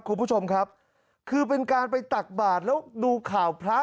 คุณผู้ชมครับคือเป็นการไปตักบาทแล้วดูข่าวพระ